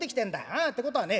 ああってことはね